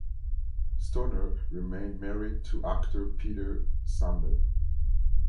Stoner remained married to actor Peter Sumner.